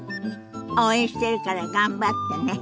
応援してるから頑張ってね。